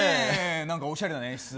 おしゃれな演出で。